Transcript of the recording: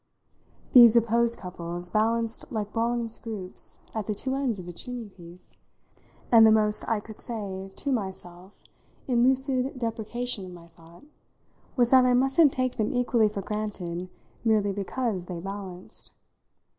These opposed couples balanced like bronze groups at the two ends of a chimney piece, and the most I could say to myself in lucid deprecation of my thought was that I mustn't take them equally for granted merely because they balanced.